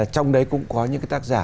trong đấy cũng có những tác giả